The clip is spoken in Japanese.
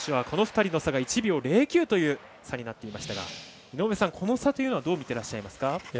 この２人の差が１秒０９という差になっていましたがこの差というのはどう見てらっしゃいますか。